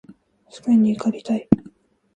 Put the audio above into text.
試験に受かりたい